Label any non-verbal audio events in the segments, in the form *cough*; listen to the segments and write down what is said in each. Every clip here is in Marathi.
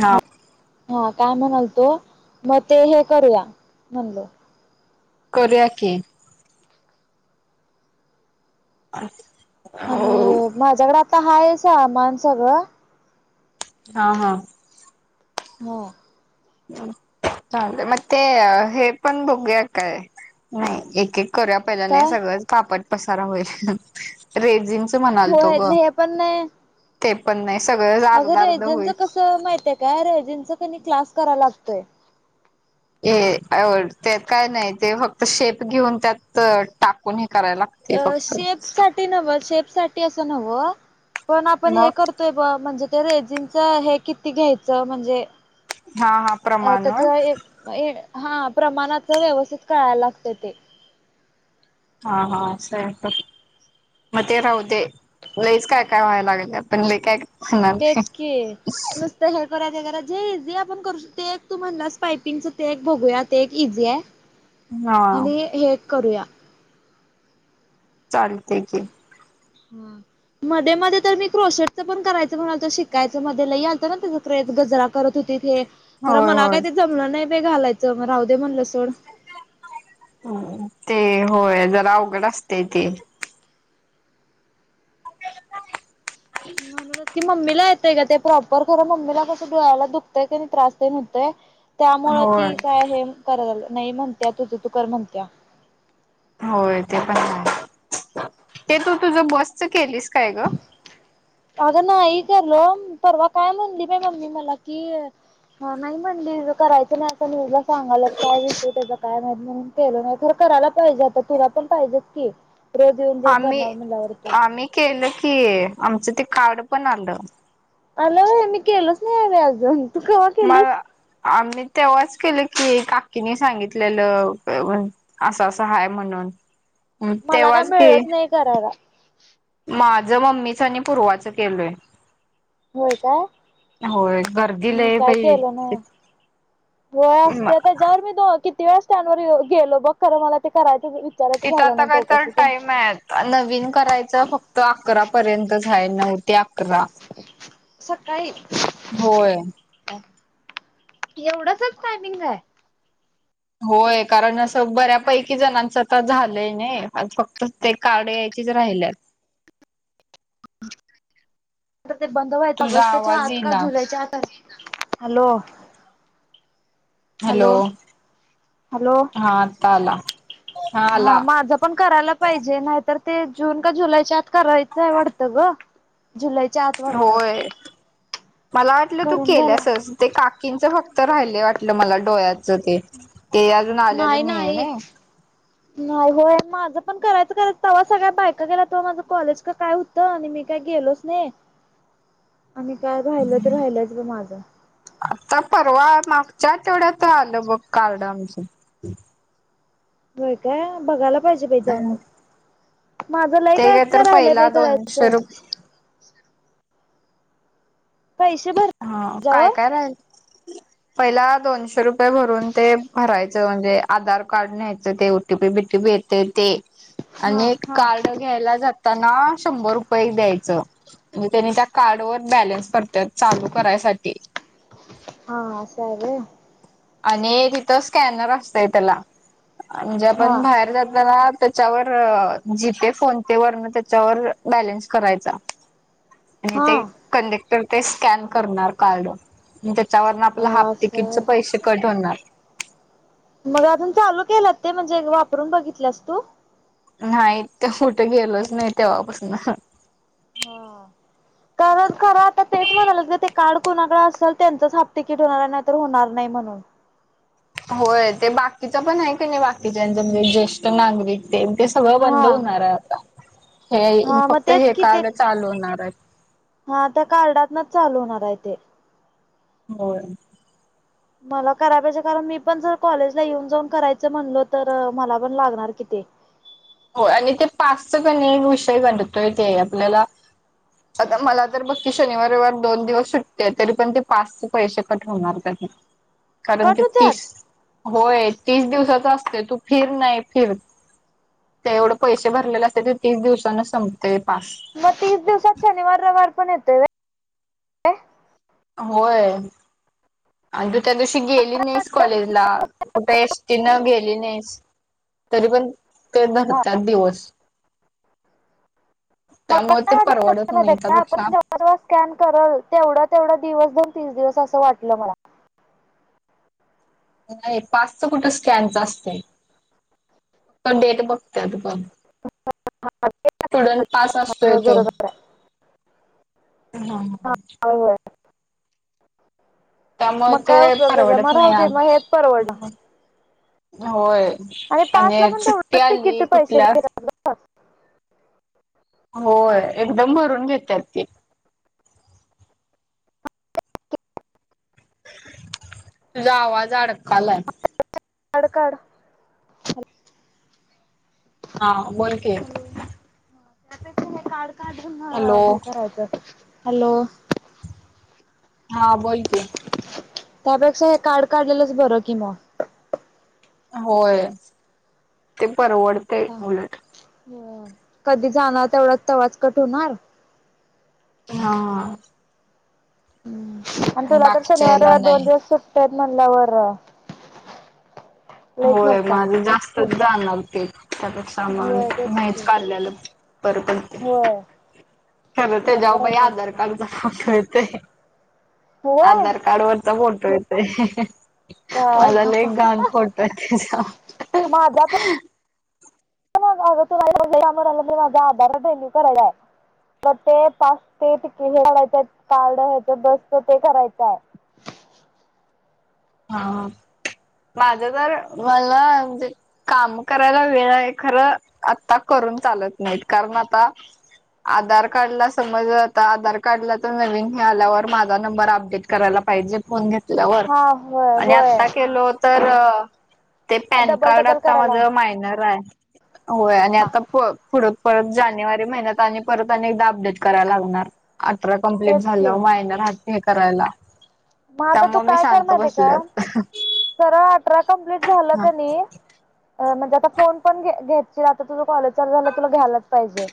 हा हा काय म्हणालतो, म ते हे करूया म्हणलो करूया की, *unintelligible* आणि हा माझ्याकड आता हाय सामाण सगंळं हा हा हो चालेल म ते हे पण बघूया काय, नाय, एक, एक करुया पहिला नाही काय सगळांच फापट पसार होईलं. रेझिनं होय नाही हे पण नाय ते पण नाही. सगळंच अगं अर्ध अर्ध रेजिंनच होईल कसं माहितय काय? रेजिंचा क नै क्लास करायला लागतोय. ए *unintelligible* ते काय नाय ते फक्त शेप घेऊन त्यात टाकून हे करायला लागते अ फक्त शेप साठी नव्ह शेप साठी अस नव्ह, पण आपण हे मग करतोय ब म्हणजे त रेजींच हे किती घ्यायचं म्हणजे? हा हा अ प्रमाण त्यात होय एक अ ए हां, प्रमाणाच व्यवस्थित कळायला लागतय ते हा, हा, असय तर मग ते राहू दे, लईच काय काय व्हाया लागलय आपण लई काय होणार तेच नाही की नुसत हे करायचं, करायच, जे इझी आपण करू शक ते एक तू म्हणलास पायपिंगच ते एक बघूया, ते एक इझी ये. हा आणि हे करुया. चालतेय की, ह मध्ये मध्ये तर मी क्रोशटच पण करायच म्हणालतो, शिकायच, मध्ये लय आलत ना त्याज के ज गजरा करत होतीत हे, खरं होय मला काय होय. ते जमलं नाही बाई घालायच, म राऊदे म्हनलं ते होय जरा अवघड असतय ते म्हणूनच की मम्मी ला येतय ग ते प्रॉपर,, खर मम्मीला कसं डोळ्याला दुखतंय कनय त्रास तेन हुतय. त्यामुळं होय. ती काय हे करायला, नाही म्हणत्या, तुझ तू कर म्हणत्या. होय, ते पण हाय, ते तू तुझ बसच केलीस. काय ग अग नाही. करलो, परवा काय म्हणली बाय मम्मी मला की, हा नाही म्हणली करायचं नाही असं न्यूज ल संगल्यात काय विषय त्याचा काय माहित नाही म्हणून केलं नाही तर करायला पाहिजे आता तुला पण पाहिजेत की रोज येऊन जाऊन आम्ही करणार म्हणल्यावरती आम्ही केलं की आमचं ते कार्ड पण आलं आला व्हय मी केलोच नाही हवे अजून तू कव्हा केलीस मला आम्ही तेव्हाच केलं की काकीने सांगितलेलं असं असं आहेय म्हणून मला काय तेव्हाच की मिळलंच नाही करायला माझं मम्मीच आणि पूर्वाचं केलय होय काय गर्दी मी लय काय बाई केल न्हाई होय असते त्याच्यावर मी दो किती वेळा स्टँडवर गेलो बघ खर मला ते करायच तिथं आता टाइम आहे नवीन करायचं फक्त अकरापर्यंत च आहे नवू सकाळी होय एवढचच टायमिंग आहे होय कारण असं बऱ्यापैकी जणांच तर झालंय नाही फक्त ते काढ ची च राहिलेत आता ते बंद तुझा ऑगस्टच्या आवाज आत का येईना जुलैच्या आतात हॅलो हॅलो हॅलो हा आता आला हा माझं पण करायला पाहिजे नाही तर ते जून का जुलैच्या आत करायचं आहे वाढतं ग जुलैच्या आत वाढतं होय मला वाटलं तू करून घ्याला केल्यासच ते काकींचं फक्त राहिले वाटलं मला डोळ्याच ते ते अजून आलेलं नाही आहे ना नाही होय माझं पण करायच करायं तेव्हा सगळ्या बायका गेला तव्हा माझं कॉलेज का काय होतं आणि मी काय गेलोच नाही *inaudible* आणि काय राहिलं तर राहिलाच ब माझं आता परवा मागच्या आठवड्यात आलं बघ कार्ड आमचं होय काय बघाला पाहिजे बई जाऊन मग माझं लई ते काय तर काय राहिलंय पहिला बई दोनशे करायचं रुप पैसे भर हा काय जाव काय राहिलाय पहिला दोनशे रुपये भरून ते भरायचं म्हणजे आधार कार्ड न्यायचं ते ओटीपी बीटीपी येतय ते हा आणि हा कार्ड घ्यायला जाताना शंभर रुपये द्यायचं म त्यानी त्या कार्ड बॅलन्स पडतात चालू करायसाठी हा आस हाय व्हय आणि तिथं स्कॅनर असतय त्याला म्हणजे हा आपण बाहेर जात ना त्याच्यावर जीपे फोन पे वरणं त्याच्यावर बॅलन्स करायचा आणि हा ते कंडेक्टर ते स्कॅन करणार कार्ड चाय वर्ण आपल हाफ हा तिकीटच असं पैसे कट होणार मग आजून चालू केलात ते म्हणजे वापरून बघितलंस तू नाही ते कुठे गेलोच नाही तेव्हापासन हा *unintelligible* खरं आता तेच म्हणालेत ग ते कार्ड कोणाकडे असेल त्यांचंच हाफ तिकीट होणार नाही तर होणार नाही म्हणून होय ते बाकीच पण आहे की नाही बाकीच्याच म्हणजे ज्येष्ठ नागरिक ते ते सगळं बंद हा होणार आहे आता हा हे मग फक्त तेच हे कि ते कार्ड चालू होणार आहे हा त्या कार्डात ना चालून नार आहे ते होय मला करा पाहिजे कारण मी पण जर कॉलेजला येऊन जाऊन करायचं म्हणलो तर मला पण लागणार कि ते होय आणि ते पास च काने विषय गंडतोय ते आपल्याला आता मला तर बघती शनिवार, रविवार दोन दिवस सुट्टी हाय तरी पण ते पास चे पैसे कट होणार कारण कट ते होत्यात तीस होय तीस दिवसाच असते तू फिर नाही फिर ते एवढं पैसे भरलेले असते ते तीस दिवसाने संपते पास मग तीस दिवसात शनिवार रविवार पण येतोय होय आणि तू त्या दिवशी गेली नाहीस व्हय? कॉलेजला कुठ एसटी तिन गेली नाहीस तरी पण ते हा धरतात दिवस *unintelligible* मग ना ते परवडत आपण नाही त्यापेक्षा जेव्हा जेव्हा स्कॅन करल तेवढा तेवढा दिवसन तीस दिवस असं वाटलं मला नाही पासच कुठ स्कॅनच असत फक्त डेट ब स्टुडंट पास असतोय होय, तो बरोबर आहे हा ह ह्ह्ह त्यामुळे मग काय ते उपयोग झाला परवडत मग नाही राहू दे मग हेच परवडणार यार होय आणि पास ला पण सुट्टी तेवढंच तिकीटच ते आली पैसे कुठल्या घेतात होय एकदम भरून घेत्यात ते तुझ आवाज अडकालाय कार्ड काढ हा बोल की त्यापेक्ष हे कार्ड काढून हॅलो हे करायचं हॅलो हा बोल कि त्यापेक्षा हे कार्ड काढलेलंच बरं कि म होय ते परवडतय उलट हो कधी जाणार तेवढात आवाज कट होणार हा हम्म आणि तुला तर बाकीच्या शनिवार याला रविवार दोन नाही दिवस सुट्ट म्हटल्यावर होय माझी जास्तच दान लागते त्यापेक्षा होय मग तेच की नाहीच काढल्यालं बर पढतंय होय तेच खर की बरोबर आहे त्याच्याबाई सोड आधार ते कार्डचा येतय होय आधार कार्ड वरचा फोटो येतय काय माझा लय घान फोटो आहे त्याचा वर माझा *inaudible* माझा आधार रीन्यू कराला आहे मग ते पाच ते तिकीट काढायचा आहे कार्ड ह्याच बसत ते करायचं आहे तट्ट हा माझ तर मला म्हणजे काम करायला वेळ आहे खरं आता कर करून चालत नाही कारण आता आधार कार्ड ला समज आता आधार कार्डला तर नवीन हे आल्यावर माझा नंबर अपडेट करायला पाहिजे फोन घेतल्यावर हा होय आणि होय आता केलो तर ते पॅन डबल कार्ड डबल आता करायला माझं मायनर आहे होय आणि आता पुढ परत जानेवारी महिन्यात आणि परत अनेकदा अपडेट करायला लागणार अठरा कंप्लीट तेच की झालं मायनर हाय हे करायला मग आता तू त्यामुळे मी काय कर शांत माहतीय बसले सरळ अठरा कंप्लीट झालं क नई म्हणजे आता फोन पण घ्यायची आता तुझ कॉलेजवर झालं तुला घ्यायलाच पाहिजे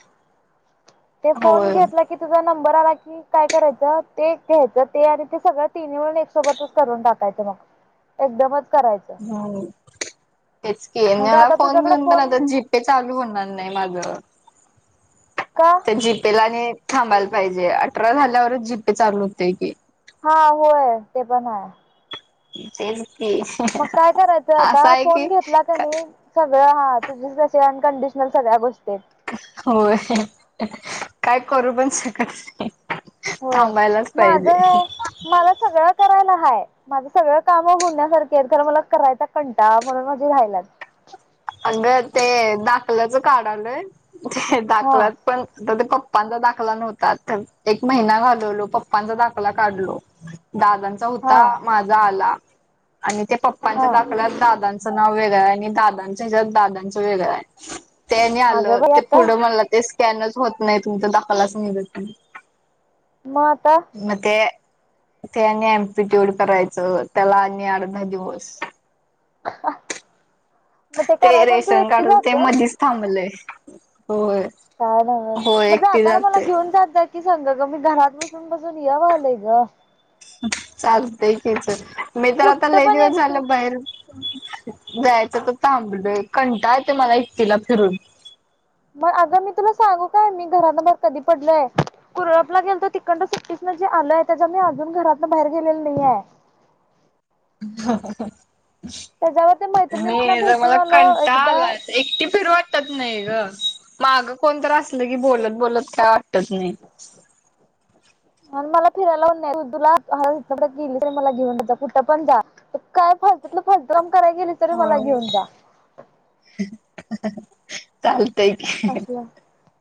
ते फोन होय घेतला की तुझा नंबर आला की काय करायच ते घ्यायचं ते आणि ते सगळं तिन् मिळून एक सोबतच करून टाकायचे मग एकदमच करायचं हो. हेच की, म्हणजे मला आता फोन तुझ्याकडे घेऊन पण आता जीपे चालू होणार नाही माझ. का तर जीपे ला आणि थांबायला पाहिजे अठरा झाल्यावरच जीपे चालू होतय की. हा होय ते पण आहे. तेचं. मग काय करायचं आता फोन की घेतला कानी सगळ हा तुझीच तशी आणखी. कंडशन सगळ्या गोष्टी. होय काय करू पण शकत नाही. होय थांबायलाच माझ पाहिजे मला सगळं करायला हाय. माझं सगळं काम होण्यासारखे आहेत खर मला करायचा कंटाळा म्हणून माझे रायलात. अग ते दाखल्याच का्ड आलंय ते हा दाखलात पण आता ते पप्पा. पप्पांचा दाखला नव्हात तर एक महिना घालवलो पप्पांचा दाखला काढलो. दादांचा हा होता, माझा आला आणि त्या पप्पांच्या हा दखलात दादां च नाव वेगळं आहे, आणि दादांच ह्याच्यात दादांचं वेगळं आहे. तेनी अगं आलं बाई ते आता पुढं मला ते स्कॅनच होत, नाही तुमच्या दाखला निघत नाही. मग आता मते. ते एम्पीट्यूड करायचं त्याला आणि अर्धा दिवस. हा हा मग ते करायचं न तू रेशन एकटे कार्ड ते जातेस. मधीच थांबलंय होय काय नव्ह हो म एकटी जाताना मला जाते. घेऊन जात जा की. क सांग ग मी घरात बसून बसून यावलंय ग. चालते की चल मी तर आता कुठं लय पण दिवस एकटी झाल बाहेर. जायचं तर थांबलोय कंटाळत येतोय मला एकटीला फिरून. मग अगं मी तुला सांगू काय मी घरान मर कधी पडलय कुरपला गेल तो तिकंड सुट्टीसन. आलोय त्याच्या मी अजून घरातलं बाहेर गेलेल नाहीेये. ह ह ह. त्याच्यावर. ते मैत्रिणींना नाही ज भेटून मला आलो कंटाळा एकदा आलाय एकटी फिर वाटतात नाही ग माग कोणत असल की बोलत बोलत काय वाटत नाही. आणि मला फिरायलाऊ तुला गेली तरी मला घेऊन कुठं पण जा काय फत त्यातलं फस्टड्रम करायला गेली तरी मला होय. घेऊन जा. हं हं हा चाल असलं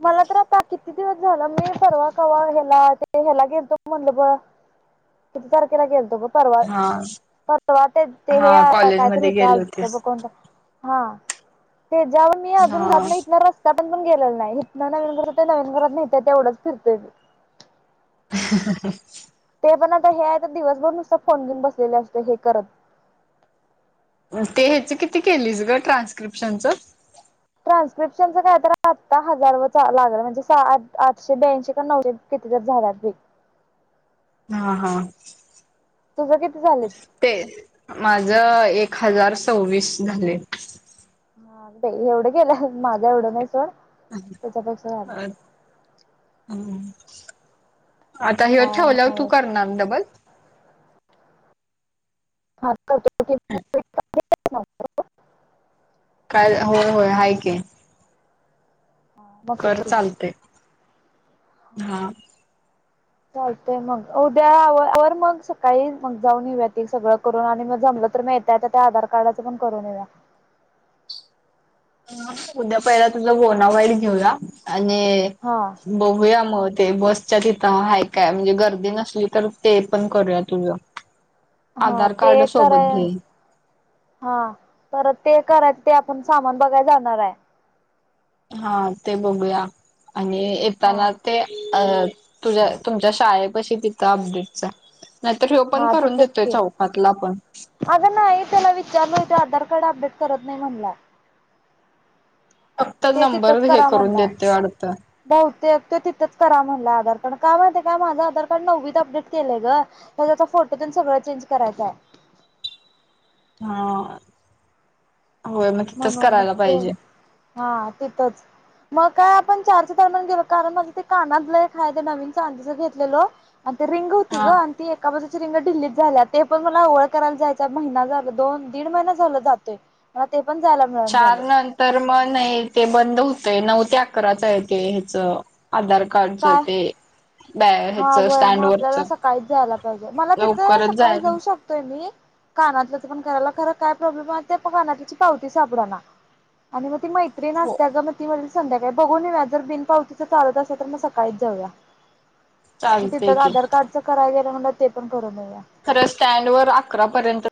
मला तर आता कि. किती दिवस झाला मी परवा कवा हला ते ह्याला गेलतो म्हणल ब किती तारखेला गेलतो ग परवा. हा परवा ते ते हे हा या कायतर कॉलेजमध्ये गेले होतल ब होतीस. कोणत हा. ते जवर मी अजून हा घरातलं इतल्या रस्ता. आपण पण गेलेला नाही नाय हितन नवीन घरातन नवीन घरात हित तेवढंच फिरतोय मी. ह ह ते पण आता हे आहे, दिवसभर नुसत फोन घेऊन बसलेले असते हे करत. ते ह्याच किती केलीस ग ट्रान्स्क्रिप्शनचं. ट्रान्स्क्रिप्शनच काय तर आत्ता हजार व लागलं म्हणजे आठशे ब्याऐंशी का नऊशे कि. तथच झालात ब्रेक. हा हा तुझं किती झालेत ते माझ. एक हजार सवीस झाले. हा एवढं गेलं माझा एवढं नाही सोड. त्याच्यापेक्षा हम झालं अ हम् आता हेव काय ठेवल्यावर तू नाय करणारं डबल. हात *unintelligible* काय होय होय हय की. कर मग चालतेय. हा चालतंय मग उद्या मग सकाळी मग जाऊन येऊ्या त सगळं करून आणि मग जम तर म यताय त्या आधार कार्डाच पण करून येऊ या. *inaudible* उद्या पहिला तुझा बोनाफाईड घेऊया आणि हा बघूया मग ते बसच्या तिथं हाय काय म्हणजे गर्दी नसली तर ते पण करूया तुझ हा ते कराय हा पर ते कराय ते आपण. सामान बघायला जाणार आहे. हा ते बघूया आणि हा येताना ते? अ तुझ्या तुमच्या शाळेपाशी तिथं अपडेटच आहे. हा तिथंच के पण आग नाही त्याला विचारलं आधार कार्ड अपडेट. करत नाही म्हणला. फक्त ते नंबर तिथंच हे करा करून म्हणलं देतोय वाटतं बहुतेक तो तिथंच करा म्हणलाय आधार कार्ड काय माहितीय काय माझं आधार कार्ड नववीत अपडेट केलंय ग त्याचा फोटो सगळं चेंज करायचां आहे. हा होय मग तिथंच म्हणून मग करायला ते पाहिजे हा तिथंच मग काय आपण चारच्या दम्यान गेलो कारण माझं ते कानातलंय एक हाय नवीन चांदीचं घेतलेलं. आणि ते रिंग होती ग हा आणि ती एका बाज रिंग ढिली झाल्या ते पण मला ओळ करायला जायचा महि झा दोन दीड महिना झा जातोय. ते पण जायला मिळना चार झालय नंतर म नाय ते बंद होतय? नऊ ते अकराच आहे ते ह्याच. आधार कार्डच काय ते बॅ हा ह्याच व्हय मग स्टँड वरच आपल्याला सकाळीच जायला पाहिजे. मला तिथं लवकरच जाय सकाळी जाऊ शकतोय मी. कानातलं तर पण करायला खरं काय? कानातल्याची पावती सापडना आणि मग ती मैत्रीण हो असतील गं ती संध्याकाळी बघूनेऊ्या जर बिनपावतीचा चालत असल तर मग सकाळीच जाऊया. मग चालतय तिथं की आधार कार्डचं कराय गेलं म्हणलं ते पण करून येऊया खरं स्टँड वर अकरापर्यंत.